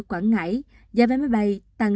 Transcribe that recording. quảng ngãi giá vé máy bay tăng